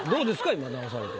今直されて。